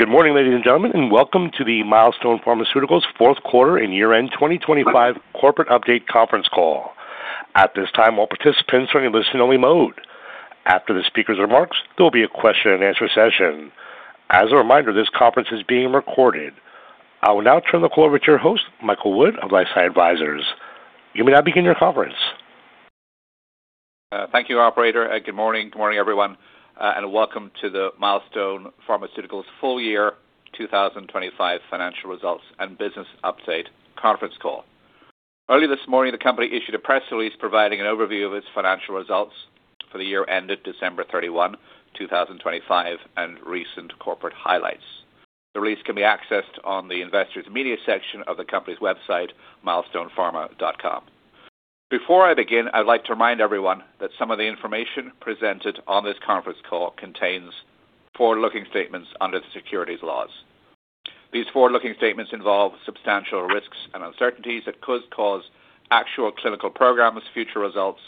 Good morning, ladies and gentlemen, and welcome to the Milestone Pharmaceuticals Fourth Quarter and Year End 2025 Corporate Update Conference Call. At this time, all participants are in listen-only mode. After the speaker's remarks, there'll be a question-and-answer session. As a reminder, this conference is being recorded. I will now turn the call over to your host, Michael Wood of LifeSci Advisors. You may now begin your conference. Thank you, operator, and good morning. Good morning, everyone, and welcome to the Milestone Pharmaceuticals Full Year 2025 Financial Results and Business Update Conference Call. Early this morning, the company issued a press release providing an overview of its financial results for the year ended December 31, 2025, and recent corporate highlights. The release can be accessed on the Investors Media section of the company's website, milestonepharma.com. Before I begin, I'd like to remind everyone that some of the information presented on this conference call contains forward-looking statements under the securities laws. These forward-looking statements involve substantial risks and uncertainties that could cause actual clinical programs, future results,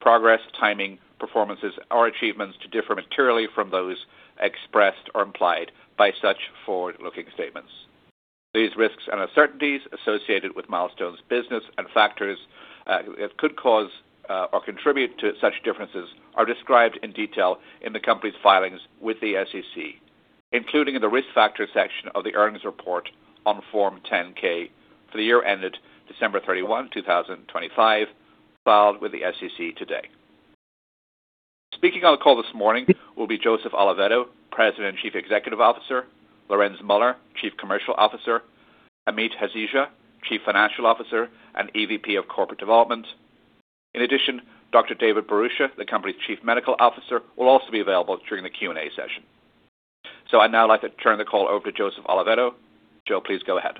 progress, timing, performances, or achievements to differ materially from those expressed or implied by such forward-looking statements. These risks and uncertainties associated with Milestone's business and factors that could cause or contribute to such differences are described in detail in the company's filings with the SEC, including in the Risk Factors section of the earnings report on Form 10-K for the year ended December 31, 2025, filed with the SEC today. Speaking on the call this morning will be Joseph Oliveto, President and Chief Executive Officer. Lorenz Muller, Chief Commercial Officer. Amit Hasija, Chief Financial Officer and EVP of Corporate Development. In addition, Dr. David Bharucha, the company's Chief Medical Officer, will also be available during the Q&A session. I'd now like to turn the call over to Joseph Oliveto. Joe, please go ahead.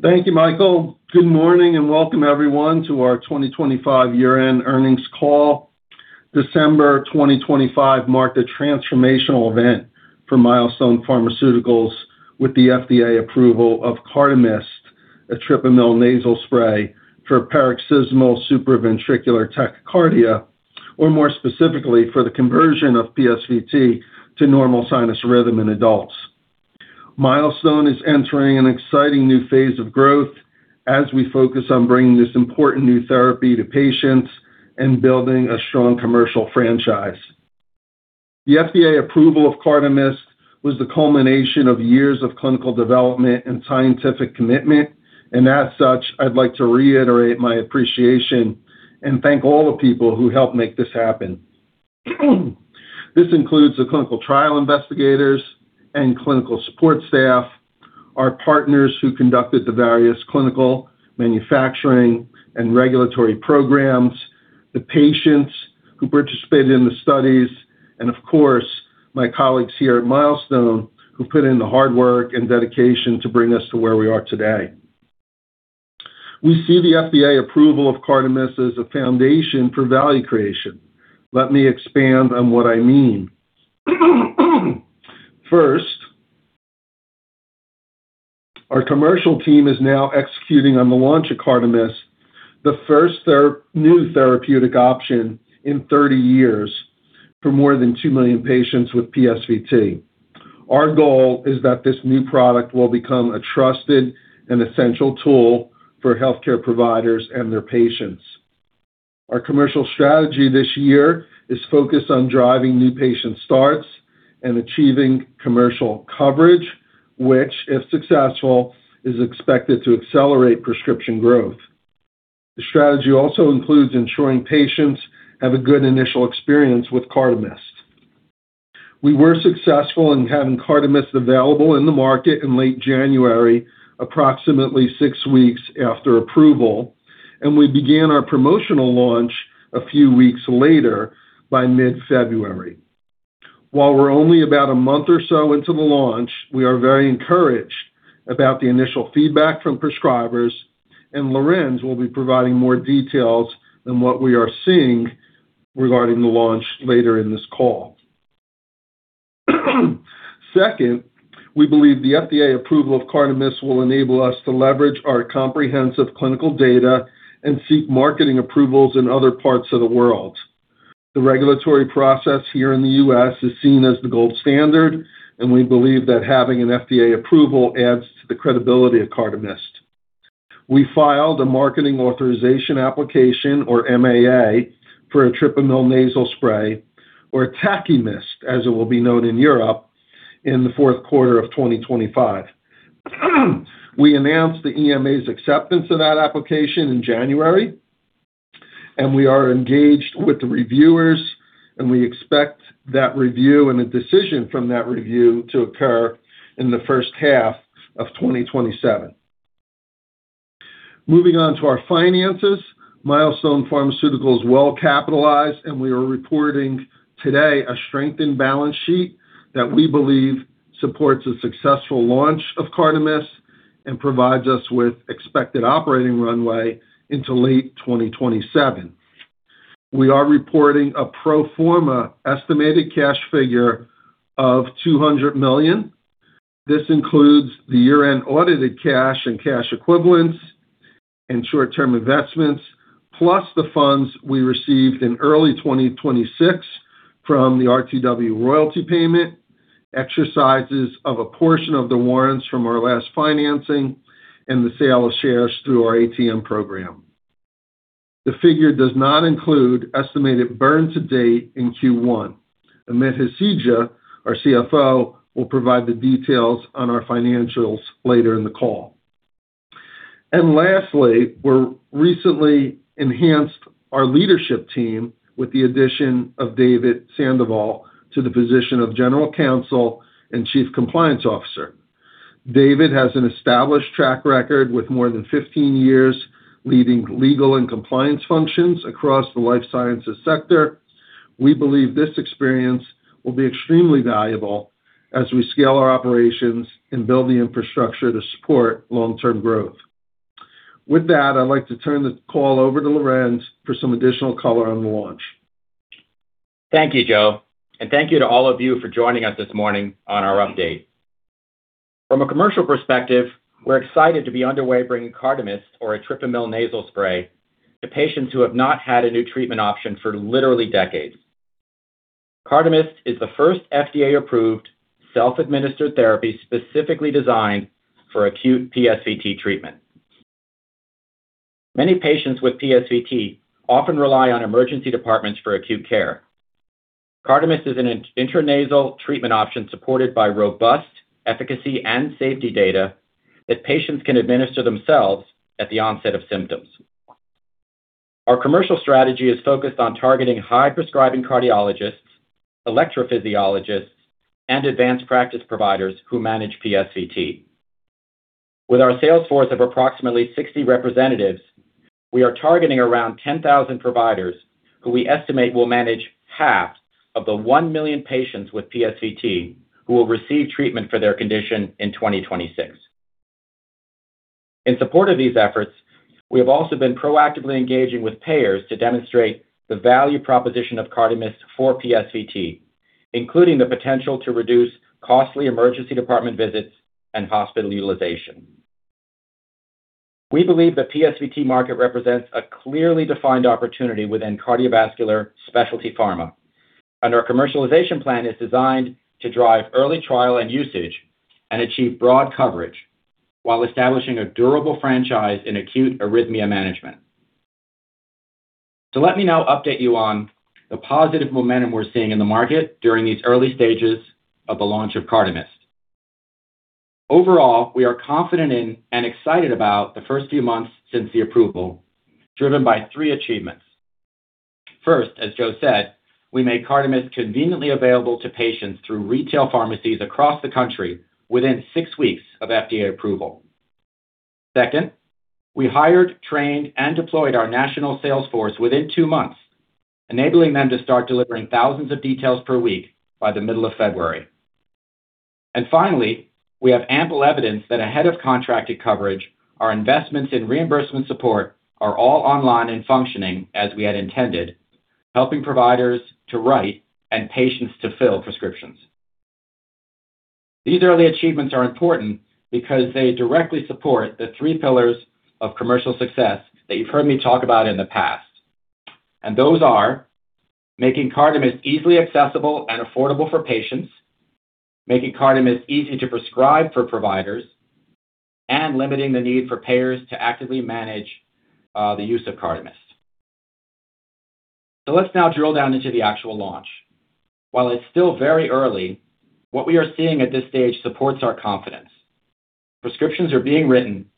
Thank you, Michael. Good morning, and welcome everyone to our 2025 year-end earnings call. December 2025 marked a transformational event for Milestone Pharmaceuticals with the FDA approval of CARDAMYST, an etripamil nasal spray for paroxysmal supraventricular tachycardia, or more specifically, for the conversion of PSVT to normal sinus rhythm in adults. Milestone is entering an exciting new phase of growth as we focus on bringing this important new therapy to patients and building a strong commercial franchise. The FDA approval of CARDAMYST was the culmination of years of clinical development and scientific commitment, and as such, I'd like to reiterate my appreciation and thank all the people who helped make this happen. This includes the clinical trial investigators and clinical support staff, our partners who conducted the various clinical, manufacturing, and regulatory programs, the patients who participated in the studies, and of course, my colleagues here at Milestone who put in the hard work and dedication to bring us to where we are today. We see the FDA approval of CARDAMYST as a foundation for value creation. Let me expand on what I mean. First, our commercial team is now executing on the launch of CARDAMYST, the first new therapeutic option in 30 years for more than $2 million patients with PSVT. Our goal is that this new product will become a trusted and essential tool for healthcare providers and their patients. Our commercial strategy this year is focused on driving new patient starts and achieving commercial coverage, which, if successful, is expected to accelerate prescription growth. The strategy also includes ensuring patients have a good initial experience with CARDAMYST. We were successful in having CARDAMYST available in the market in late January, approximately six weeks after approval, and we began our promotional launch a few weeks later by mid-February. While we're only about a month or so into the launch, we are very encouraged about the initial feedback from prescribers, and Lorenz will be providing more details on what we are seeing regarding the launch later in this call. Second, we believe the FDA approval of CARDAMYST will enable us to leverage our comprehensive clinical data and seek marketing approvals in other parts of the world. The regulatory process here in the U.S. is seen as the gold standard, and we believe that having an FDA approval adds to the credibility of CARDAMYST. We filed a marketing authorization application or MAA for etripamil nasal spray or TACHYMIST, as it will be known in Europe, in the fourth quarter of 2025. We announced the EMA's acceptance of that application in January, and we are engaged with the reviewers, and we expect that review and a decision from that review to occur in the first half of 2027. Moving on to our finances. Milestone Pharmaceuticals is well capitalized, and we are reporting today a strengthened balance sheet that we believe supports a successful launch of CARDAMYST and provides us with expected operating runway into late 2027. We are reporting a pro forma estimated cash figure of $200 million. This includes the year-end audited cash and cash equivalents and short-term investments, plus the funds we received in early 2026 from the RTW royalty payment, exercises of a portion of the warrants from our last financing, and the sale of shares through our ATM program. The figure does not include estimated burn to date in Q1. Amit Hasija, our CFO, will provide the details on our financials later in the call. Lastly, we recently enhanced our leadership team with the addition of David Sandoval to the position of General Counsel and Chief Compliance Officer. David has an established track record with more than 15 years leading legal and compliance functions across the life sciences sector. We believe this experience will be extremely valuable as we scale our operations and build the infrastructure to support long-term growth. With that, I'd like to turn the call over to Lorenz for some additional color on the launch. Thank you, Joe, and thank you to all of you for joining us this morning on our update. From a commercial perspective, we're excited to be underway bringing CARDAMYST, or etripamil nasal spray, to patients who have not had a new treatment option for literally decades. CARDAMYST is the first FDA-approved self-administered therapy specifically designed for acute PSVT treatment. Many patients with PSVT often rely on emergency departments for acute care. CARDAMYST is an intranasal treatment option supported by robust efficacy and safety data that patients can administer themselves at the onset of symptoms. Our commercial strategy is focused on targeting high-prescribing cardiologists, electrophysiologists, and advanced practice providers who manage PSVT. With our sales force of approximately 60 representatives, we are targeting around 10,000 providers who we estimate will manage half of the $1 million patients with PSVT who will receive treatment for their condition in 2026. In support of these efforts, we have also been proactively engaging with payers to demonstrate the value proposition of CARDAMYST for PSVT, including the potential to reduce costly emergency department visits and hospital utilization. We believe the PSVT market represents a clearly defined opportunity within cardiovascular specialty pharma, and our commercialization plan is designed to drive early trial and usage and achieve broad coverage while establishing a durable franchise in acute arrhythmia management. Let me now update you on the positive momentum we're seeing in the market during these early stages of the launch of CARDAMYST. Overall, we are confident in and excited about the first few months since the approval, driven by three achievements. First, as Joe said, we made CARDAMYST conveniently available to patients through retail pharmacies across the country within six weeks of FDA approval. Second, we hired, trained, and deployed our national sales force within two months, enabling them to start delivering thousands of details per week by the middle of February. Finally, we have ample evidence that ahead of contracted coverage, our investments in reimbursement support are all online and functioning as we had intended, helping providers to write and patients to fill prescriptions. These early achievements are important because they directly support the three pillars of commercial success that you've heard me talk about in the past. Those are making CARDAMYST easily accessible and affordable for patients, making CARDAMYST easy to prescribe for providers, and limiting the need for payers to actively manage the use of CARDAMYST. Let's now drill down into the actual launch. While it's still very early, what we are seeing at this stage supports our confidence. Prescriptions are being written,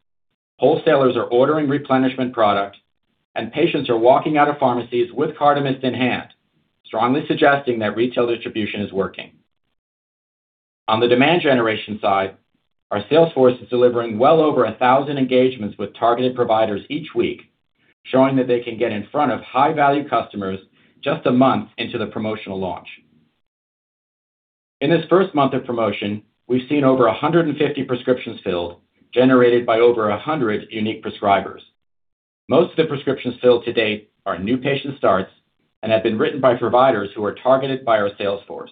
wholesalers are ordering replenishment product, and patients are walking out of pharmacies with CARDAMYST in hand, strongly suggesting that retail distribution is working. On the demand generation side, our sales force is delivering well over 1,000 engagements with targeted providers each week, showing that they can get in front of high-value customers just a month into the promotional launch. In this first month of promotion, we've seen over 150 prescriptions filled, generated by over 100 unique prescribers. Most of the prescriptions filled to date are new patient starts and have been written by providers who are targeted by our sales force.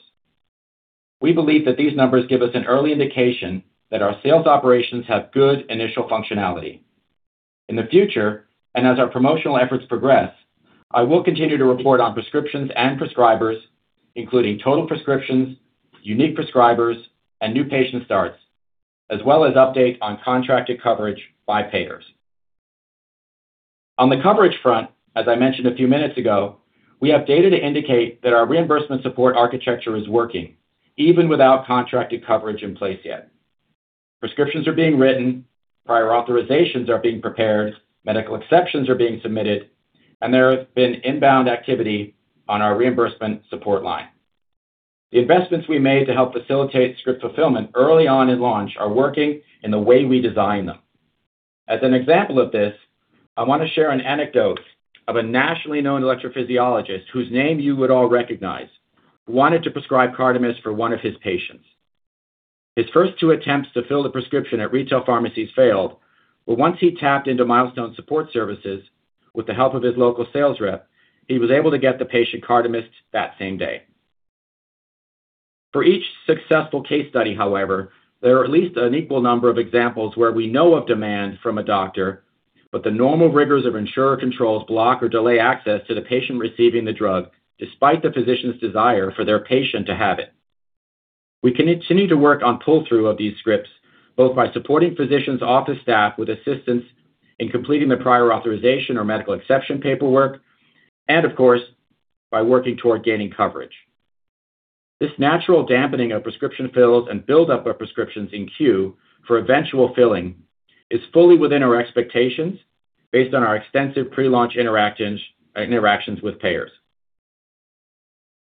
We believe that these numbers give us an early indication that our sales operations have good initial functionality. In the future, and as our promotional efforts progress, I will continue to report on prescriptions and prescribers, including total prescriptions, unique prescribers, and new patient starts, as well as updates on contracted coverage by payers. On the coverage front, as I mentioned a few minutes ago, we have data to indicate that our reimbursement support architecture is working, even without contracted coverage in place yet. Prescriptions are being written, prior authorizations are being prepared, medical exceptions are being submitted, and there has been inbound activity on our reimbursement support line. The investments we made to help facilitate script fulfillment early on in launch are working in the way we designed them. As an example of this, I want to share an anecdote of a nationally known electrophysiologist, whose name you would all recognize, who wanted to prescribe CARDAMYST for one of his patients. His first two attempts to fill the prescription at retail pharmacies failed, but once he tapped into Milestone Support Services with the help of his local sales rep, he was able to get the patient CARDAMYST that same day. For each successful case study, however, there are at least an equal number of examples where we know of demand from a doctor, but the normal rigors of insurer controls block or delay access to the patient receiving the drug despite the physician's desire for their patient to have it. We continue to work on pull-through of these scripts, both by supporting physicians' office staff with assistance in completing the prior authorization or medical exception paperwork and, of course, by working toward gaining coverage. This natural dampening of prescription fills and buildup of prescriptions in queue for eventual filling is fully within our expectations based on our extensive pre-launch interactions with payers.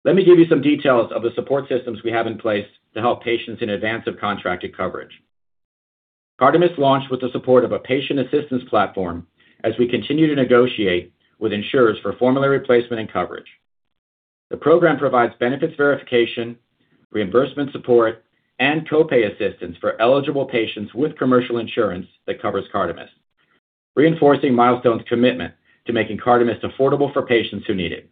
Let me give you some details of the support systems we have in place to help patients in advance of contracted coverage. CARDAMYST launched with the support of a patient assistance platform as we continue to negotiate with insurers for formulary placement and coverage. The program provides benefits verification, reimbursement support, and copay assistance for eligible patients with commercial insurance that covers CARDAMYST, reinforcing Milestone's commitment to making CARDAMYST affordable for patients who need it.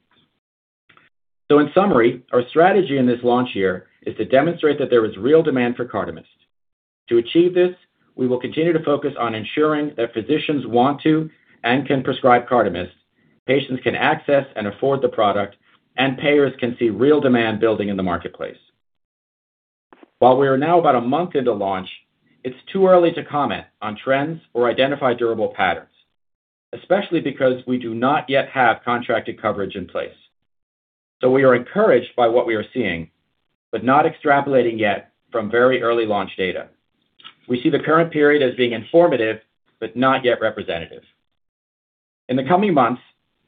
In summary, our strategy in this launch year is to demonstrate that there is real demand for CARDAMYST. To achieve this, we will continue to focus on ensuring that physicians want to and can prescribe CARDAMYST, patients can access and afford the product, and payers can see real demand building in the marketplace. While we are now about a month into launch, it's too early to comment on trends or identify durable patterns, especially because we do not yet have contracted coverage in place. We are encouraged by what we are seeing, but not extrapolating yet from very early launch data. We see the current period as being informative but not yet representative. In the coming months,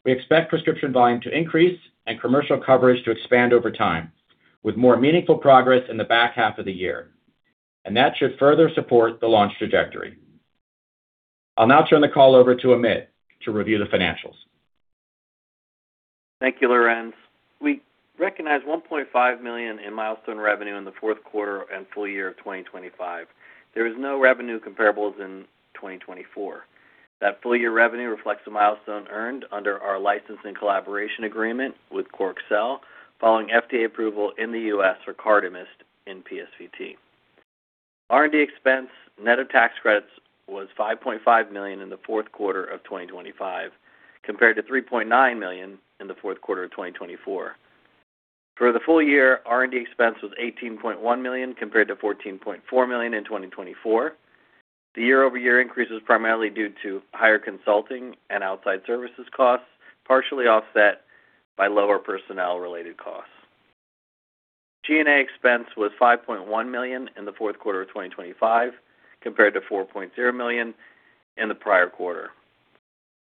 we expect prescription volume to increase and commercial coverage to expand over time, with more meaningful progress in the back half of the year, and that should further support the launch trajectory. I'll now turn the call over to Amit to review the financials. Thank you, Lorenz. We recognized $1.5 million in Milestone revenue in the fourth quarter and full year of 2025. There is no revenue comparables in 2024. That full year revenue reflects the Milestone earned under our licensing collaboration agreement with Corxel following FDA approval in the U.S. for CARDAMYST in PSVT. R&D expense net of tax credits was $5.5 million in the fourth quarter of 2025, compared to $3.9 million in the fourth quarter of 2024. For the full year, R&D expense was $18.1 million compared to $14.4 million in 2024. The year-over-year increase was primarily due to higher consulting and outside services costs, partially offset by lower personnel-related costs. G&A expense was $5.1 million in the fourth quarter of 2025, compared to $4.0 million in the prior quarter.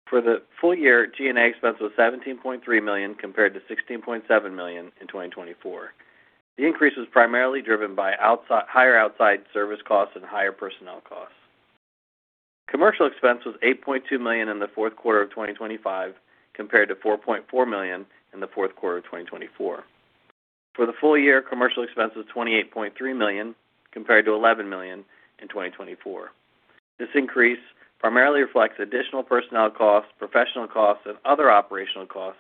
For the full year, G&A expense was $17.3 million compared to $16.7 million in 2024. The increase was primarily driven by higher outside service costs and higher personnel costs. Commercial expense was $8.2 million in the fourth quarter of 2025, compared to $4.4 million in the fourth quarter of 2024. For the full year, commercial expense was $28.3 million, compared to $11 million in 2024. This increase primarily reflects additional personnel costs, professional costs, and other operational costs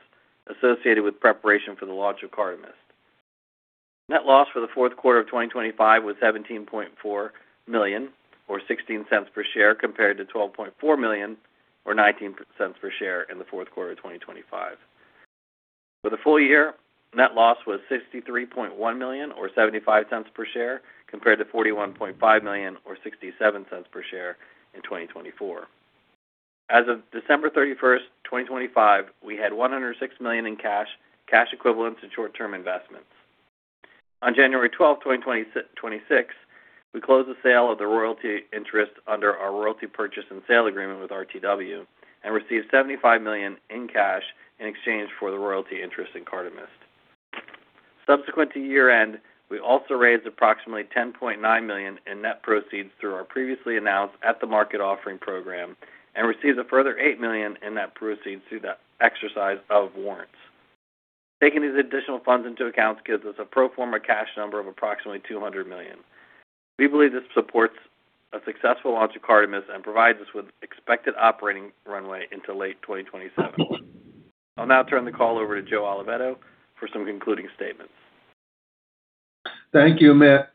associated with preparation for the launch of CARDAMYST. Net loss for the fourth quarter of 2025 was $17.4 million or $0.16 per share, compared to $12.4 million or $0.19 per share in the fourth quarter of 2024. For the full year, net loss was $63.1 million or $0.75 per share, compared to $41.5 million or $0.67 per share in 2024. As of December 31st, 2025, we had $106 million in cash equivalents, and short-term investments. On January 12, 2026, we closed the sale of the royalty interest under our royalty purchase and sale agreement with RTW and received $75 million in cash in exchange for the royalty interest in CARDAMYST. Subsequent to year-end, we also raised approximately $10.9 million in net proceeds through our previously announced at-the-market offering program and received a further $8 million in net proceeds through the exercise of warrants. Taking these additional funds into account gives us a pro forma cash number of approximately $200 million. We believe this supports a successful launch of CARDAMYST and provides us with expected operating runway into late 2027. I'll now turn the call over to Joe Oliveto for some concluding statements. Thank you, Amit.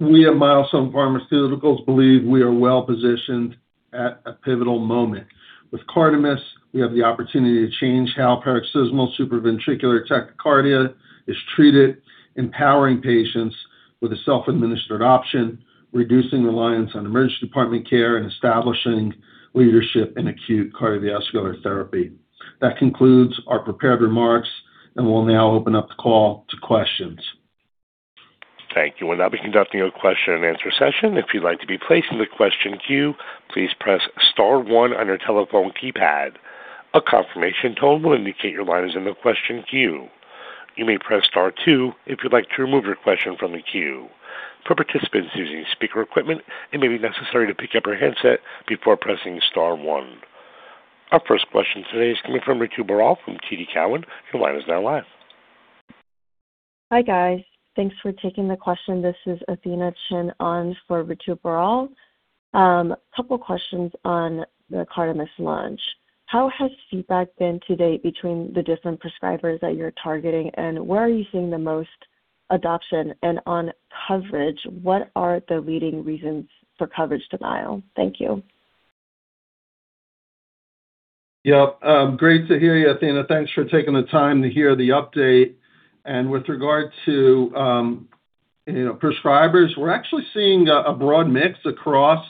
We at Milestone Pharmaceuticals believe we are well-positioned at a pivotal moment. With CARDAMYST, we have the opportunity to change how paroxysmal supraventricular tachycardia is treated, empowering patients with a self-administered option, reducing reliance on emergency department care, and establishing leadership in acute cardiovascular therapy. That concludes our prepared remarks, and we'll now open up the call to questions. Thank you. We'll now be conducting a question and answer session. If you'd like to be placed in the question queue, please press star one on your telephone keypad. A confirmation tone will indicate your line is in the question queue. You may press star two if you'd like to remove your question from the queue. For participants using speaker equipment, it may be necessary to pick up your handset before pressing star one. Our first question today is coming from Ritu Baral from TD Cowen. Your line is now live. Hi, guys. Thanks for taking the question. This is Athena Chin on for Ritu Baral. A couple questions on the CARDAMYST launch. How has feedback been to date between the different prescribers that you're targeting, and where are you seeing the most adoption? On coverage, what are the leading reasons for coverage denial? Thank you. Yep. Great to hear you, Athena. Thanks for taking the time to hear the update. With regard to, you know, prescribers, we're actually seeing a broad mix across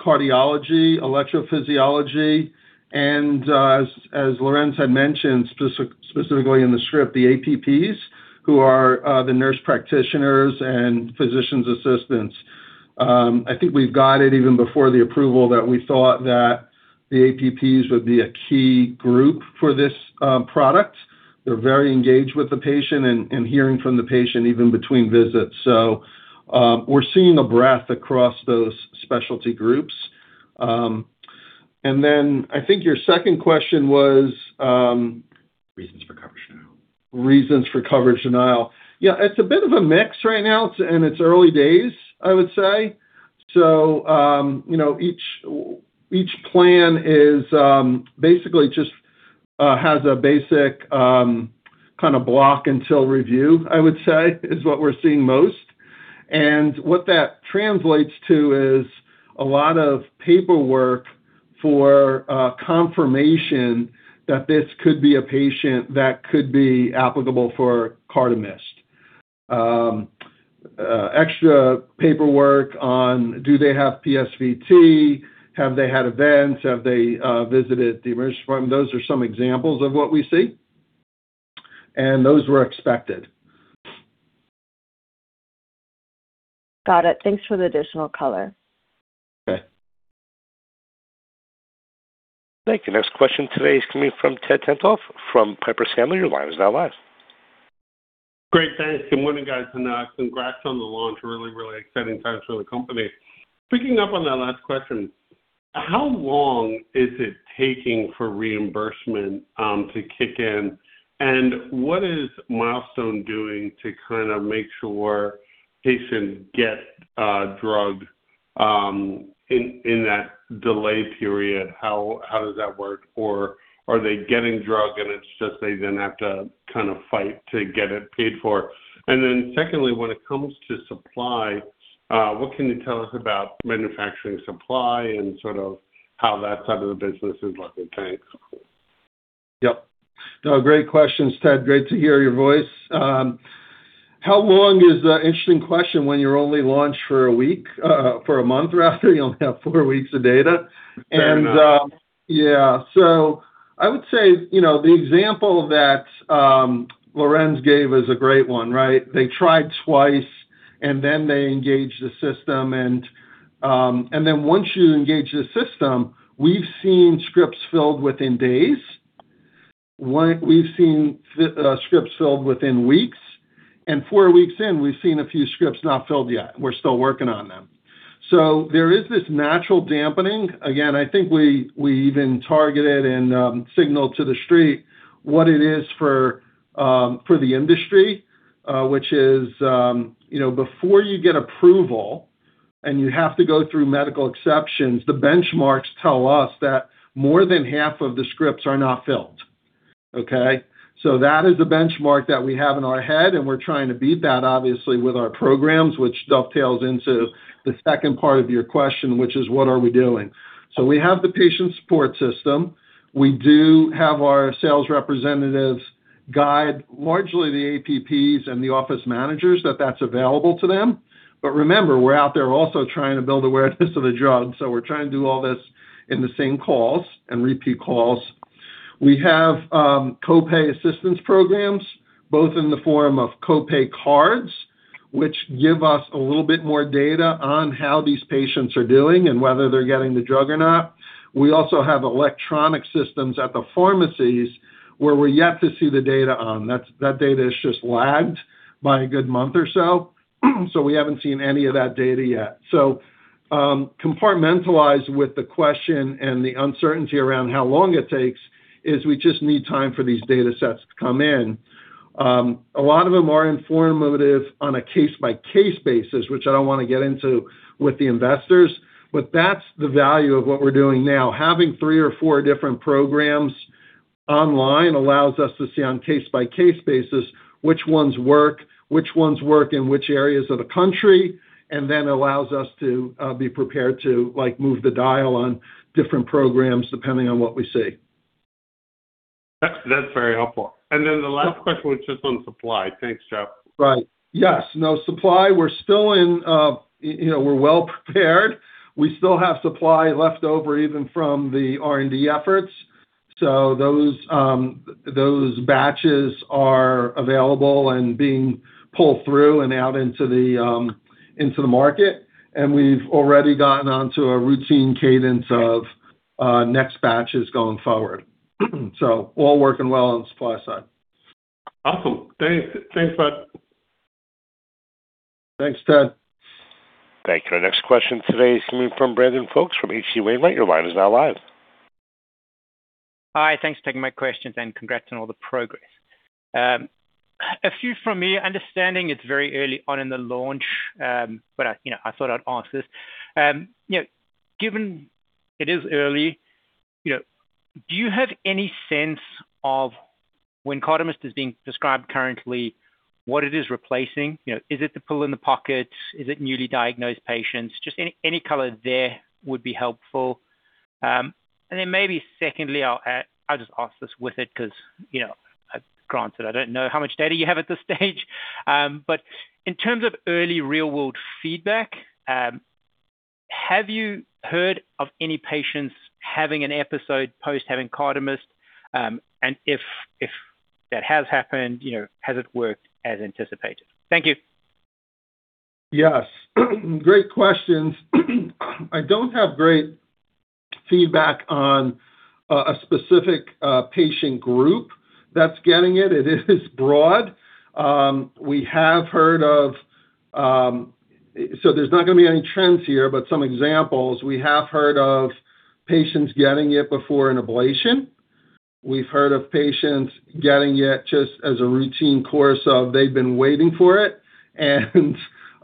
cardiology, electrophysiology, and, as Lorenz had mentioned, specifically in the script, the APPs who are the nurse practitioners and physician assistants. I think we've got it even before the approval that we thought that the APPs would be a key group for this product. They're very engaged with the patient and hearing from the patient even between visits. We're seeing a breadth across those specialty groups. And then I think your second question was Reasons for coverage denial Reasons for coverage denial. Yeah, it's a bit of a mix right now. It's in its early days, I would say. You know, each plan is basically just has a basic kinda block until review, I would say, is what we're seeing most. What that translates to is a lot of paperwork for confirmation that this could be a patient that could be applicable for CARDAMYST. Extra paperwork on do they have PSVT? Have they had events? Have they visited the emergency room? Those are some examples of what we see, and those were expected. Got it. Thanks for the additional color. Okay. Thank you. Next question today is coming from Ted Tenthoff from Piper Sandler. Your line is now live. Great. Thanks. Good morning, guys. Congrats on the launch. Really, really exciting times for the company. Picking up on that last question, how long is it taking for reimbursement to kick in? What is Milestone doing to kinda make sure patients get the drug in that delay period? How does that work? Or are they getting the drug, and it's just they then have to kind of fight to get it paid for? Then secondly, when it comes to supply, what can you tell us about manufacturing supply and sort of how that side of the business is looking? Thanks. Yep. No, great questions, Ted. Great to hear your voice. How long is the interesting question when you're only launched for a week, for a month, rather, you only have four weeks of data. Fair enough. I would say, you know, the example that Lorenz gave is a great one, right? They tried twice, and then they engaged the system. Once you engage the system, we've seen scripts filled within days. One, we've seen scripts filled within weeks. Four weeks in, we've seen a few scripts not filled yet. We're still working on them. There is this natural dampening. Again, I think we even targeted and signaled to the street what it is for the industry, which is, you know, before you get approval and you have to go through medical exceptions, the benchmarks tell us that more than half of the scripts are not filled. Okay? That is a benchmark that we have in our head, and we're trying to beat that obviously with our programs, which dovetails into the second part of your question, which is what are we doing. We have the patient support system. We do have our sales representatives guide, largely the APPs and the office managers, that that's available to them. But remember, we're out there also trying to build awareness of the drug, so we're trying to do all this in the same calls and repeat calls. We have co-pay assistance programs, both in the form of co-pay cards, which give us a little bit more data on how these patients are doing and whether they're getting the drug or not. We also have electronic systems at the pharmacies where we're yet to see the data on. That data is just lagged by a good month or so we haven't seen any of that data yet. Compartmentalized with the question and the uncertainty around how long it takes is we just need time for these datasets to come in. A lot of them are informative on a case-by-case basis, which I don't wanna get into with the investors. That's the value of what we're doing now. Having three or four different programs online allows us to see on case-by-case basis which ones work, which ones work in which areas of the country, and then allows us to be prepared to, like, move the dial on different programs depending on what we see. That's very helpful. The last question was just on supply. Thanks, Jeff. Right. Yes. No supply. We're still in, you know, we're well prepared. We still have supply left over even from the R&D efforts. Those batches are available and being pulled through and out into the market. We've already gotten onto a routine cadence of next batches going forward. All working well on the supply side. Awesome. Thanks, Bud. Thanks, Ted. Thank you. Our next question today is coming from Brandon Folkes from H.C. Wainwright. Your line is now live. Hi. Thanks for taking my questions, and congrats on all the progress. A few from me. Understanding it's very early on in the launch, but, you know, I thought I'd ask this. You know, given it is early, you know, do you have any sense of when CARDAMYST is being prescribed currently, what it is replacing? You know, is it the pill in the pocket? Is it newly diagnosed patients? Just any color there would be helpful. And then maybe secondly, I'll add, I'll just ask this with it 'cause, you know, granted, I don't know how much data you have at this stage. But in terms of early real-world feedback, have you heard of any patients having an episode post having CARDAMYST? And if that has happened, you know, has it worked as anticipated? Thank you. Yes. Great questions. I don't have great feedback on a specific patient group that's getting it. It is broad. We have heard of. There's not gonna be any trends here, but some examples, we have heard of patients getting it before an ablation. We've heard of patients getting it just as a routine course of, they've been waiting for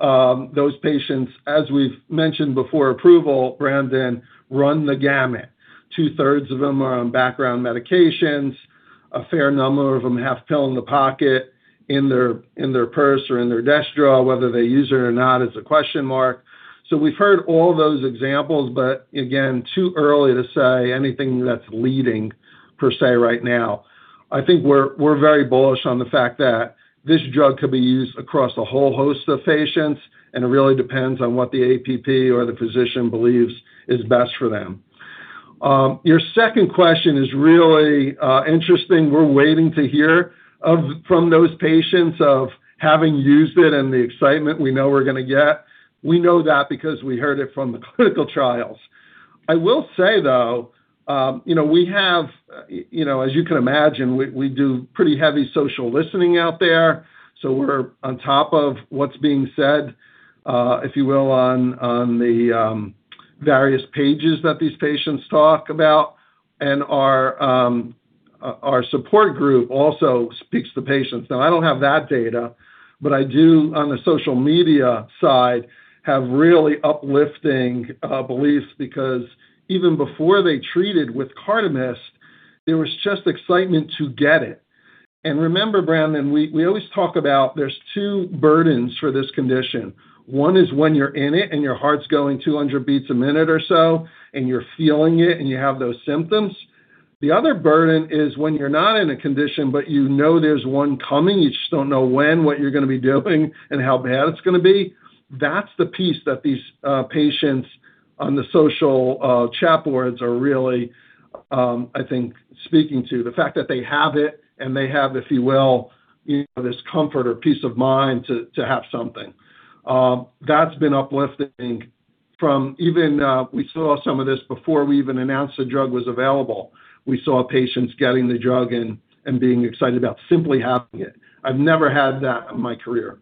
it. Those patients, as we've mentioned before approval, Brandon, run the gamut. Two-thirds of them are on background medications, a fair number of them have pill in the pocket, in their purse or in their desk drawer. Whether they use it or not is a question mark. So we've heard all those examples, but again, too early to say anything that's leading per se right now. I think we're very bullish on the fact that this drug could be used across a whole host of patients, and it really depends on what the APP or the physician believes is best for them. Your second question is really interesting. We're waiting to hear from those patients of having used it and the excitement we know we're gonna get. We know that because we heard it from the clinical trials. I will say, though, you know, we have, you know, as you can imagine, we do pretty heavy social listening out there, so we're on top of what's being said, if you will, on the various pages that these patients talk about. Our support group also speaks to patients. Now I don't have that data, but I do, on the social media side, have really uplifting beliefs because even before they treated with CARDAMYST, there was just excitement to get it. Remember, Brandon, we always talk about there's two burdens for this condition. One is when you're in it and your heart's going 200 beats a minute or so and you're feeling it and you have those symptoms. The other burden is when you're not in a condition, but you know there's one coming. You just don't know when, what you're gonna be doing, and how bad it's gonna be. That's the piece that these patients on the social chat boards are really, I think, speaking to. The fact that they have it and they have, if you will, you know, this comfort or peace of mind to have something. That's been uplifting from even we saw some of this before we even announced the drug was available. We saw patients getting the drug and being excited about simply having it. I've never had that in my career.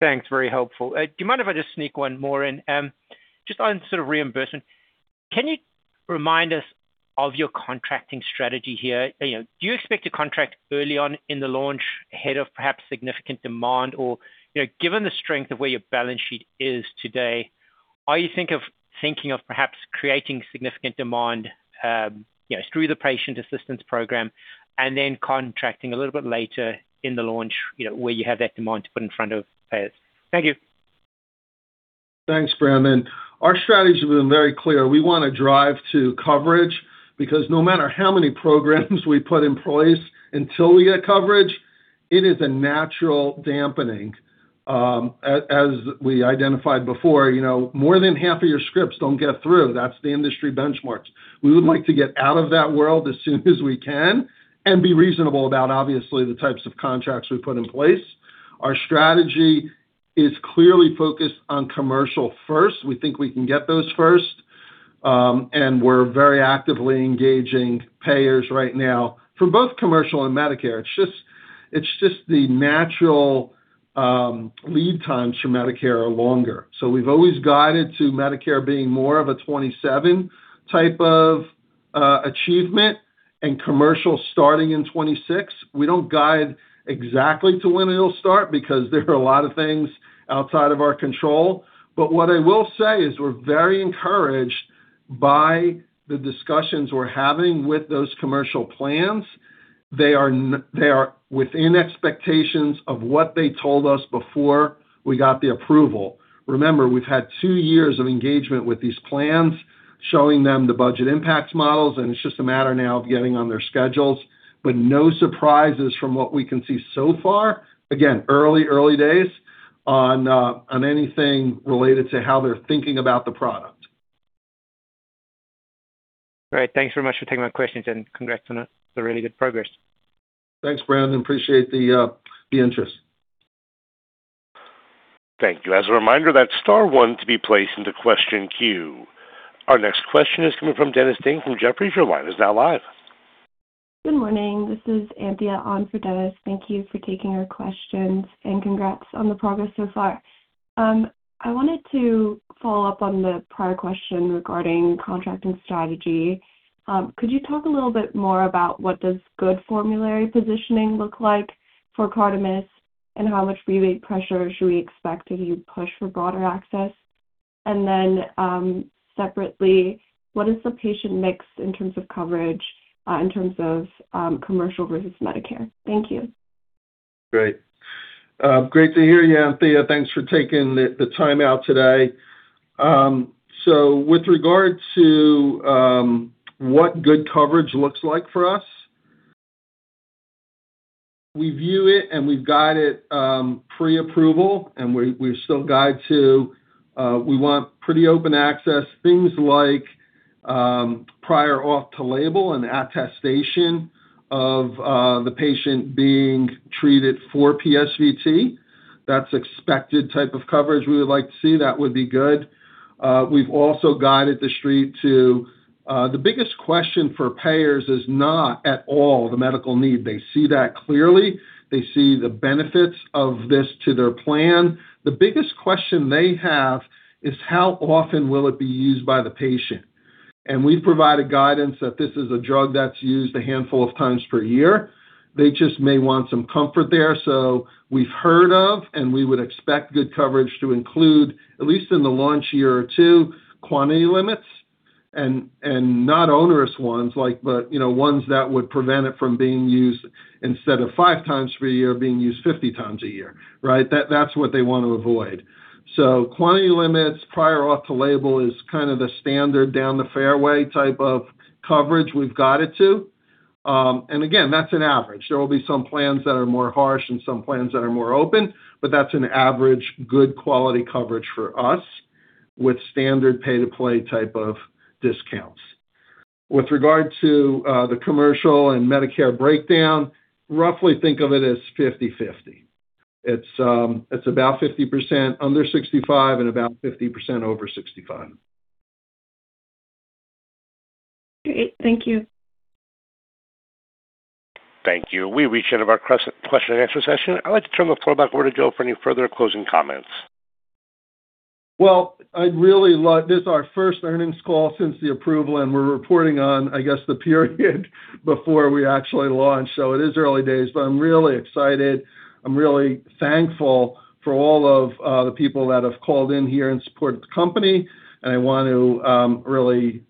Thanks. Very helpful. Do you mind if I just sneak one more in? Just on sort of reimbursement, can you remind us of your contracting strategy here? You know, do you expect to contract early on in the launch ahead of perhaps significant demand? Or, you know, given the strength of where your balance sheet is today, are you thinking of perhaps creating significant demand, you know, through the patient assistance program and then contracting a little bit later in the launch, you know, where you have that demand to put in front of payers? Thank you. Thanks, Brandon. Our strategy's been very clear. We wanna drive to coverage because no matter how many programs we put in place until we get coverage, it is a natural dampening. As we identified before, you know, more than half of your scripts don't get through. That's the industry benchmarks. We would like to get out of that world as soon as we can and be reasonable about, obviously, the types of contracts we put in place. Our strategy is clearly focused on commercial first. We think we can get those first, and we're very actively engaging payers right now for both commercial and Medicare. It's just, it's just the natural lead times for Medicare are longer. We've always guided to Medicare being more of a 2027 type of achievement and commercial starting in 2026. We don't guide exactly to when it'll start because there are a lot of things outside of our control. What I will say is we're very encouraged by the discussions we're having with those commercial plans. They are within expectations of what they told us before we got the approval. Remember, we've had two years of engagement with these plans, showing them the budget impacts models, and it's just a matter now of getting on their schedules, but no surprises from what we can see so far. Again, early days on anything related to how they're thinking about the product. Great. Thanks very much for taking my questions, and congrats on the really good progress. Thanks, Brandon. Appreciate the interest. Thank you. As a reminder, that's star one to be placed into question queue. Our next question is coming from Dennis Ding from Jefferies. Your line is now live. Good morning. This is Anthea on for Dennis. Thank you for taking our questions, and congrats on the progress so far. I wanted to follow up on the prior question regarding contracting strategy. Could you talk a little bit more about what does good formulary positioning look like for CARDAMYST and how much rebate pressure should we expect as you push for broader access? Then, separately, what is the patient mix in terms of coverage, commercial versus Medicare? Thank you. Great. Great to hear you, Anthea. Thanks for taking the time out today. So with regard to what good coverage looks like for us, we view it and we've got it pre-approval and we still guide to we want pretty open access. Things like prior auth for off-label and attestation of the patient being treated for PSVT. That's expected type of coverage we would like to see. That would be good. We've also guided the street to the biggest question for payers is not at all the medical need. They see that clearly. They see the benefits of this to their plan. The biggest question they have is how often will it be used by the patient. We've provided guidance that this is a drug that's used a handful of times per year. They just may want some comfort there. We've heard of, and we would expect good coverage to include at least in the launch year or two, quantity limits and not onerous ones, like, you know, ones that would prevent it from being used instead of five times per year, being used 50x a year, right? That's what they want to avoid. Quantity limits, prior auth to label is kind of the standard down the fairway type of coverage we've got it to. Again, that's an average. There will be some plans that are more harsh and some plans that are more open, but that's an average good quality coverage for us with standard pay-to-play type of discounts. With regard to the commercial and Medicare breakdown, roughly think of it as 50/50. It's about 50% under 65% and about 50% over 65%. Great. Thank you. Thank you. We've reached the end of our question and answer session. I'd like to turn the floor back over to Joe for any further closing comments. This is our first earnings call since the approval, and we're reporting on, I guess, the period before we actually launch. It is early days, but I'm really excited. I'm really thankful for all of the people that have called in here and supported the company. I want to really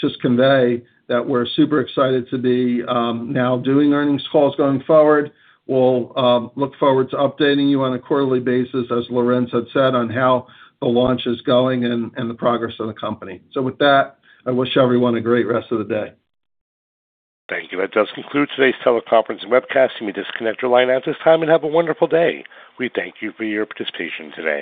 just convey that we're super excited to be now doing earnings calls going forward. We'll look forward to updating you on a quarterly basis, as Lorenz had said, on how the launch is going and the progress of the company. With that, I wish everyone a great rest of the day. Thank you. That does conclude today's teleconference and webcast. You may disconnect your line at this time and have a wonderful day. We thank you for your participation today.